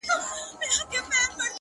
اوس چي د مځكي كرې اور اخيستـــــى’